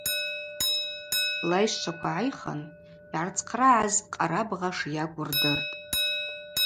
Лайщчваква гӏайхын, йгӏарцхърагӏаз къарабгъа шйакӏву рдыртӏ.